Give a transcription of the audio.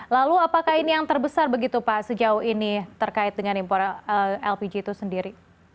lalu apakah ini yang terbesar begitu pak sejauh ini terkait dengan impor lpg itu sendiri